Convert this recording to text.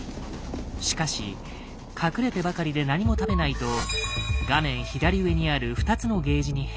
しかし隠れてばかりで何も食べないと画面左上にある２つのゲージに変化が。